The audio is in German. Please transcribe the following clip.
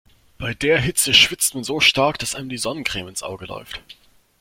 Bei der Hitze schwitzt man so stark, dass einem die Sonnencreme ins Auge läuft.